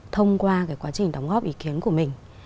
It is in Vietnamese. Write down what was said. thông qua quá trình đóng góp ý kiến của mình